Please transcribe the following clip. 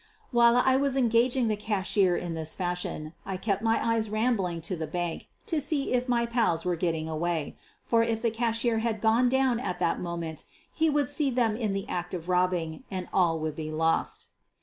"While I was engaging the cashier in this fashion, I kept my eyes rambling to the bank to see if my pals were getting away, for if the cashier had gone down at that moment he would see them in the act of robbing, and all would be lost.